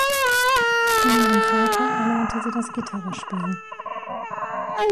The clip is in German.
Von ihrem Vater erlernte sie das Gitarrespiel.